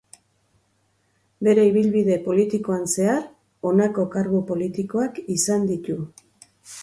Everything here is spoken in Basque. Bere ibilbide politikoan zehar honako kargu politikoak izan ditu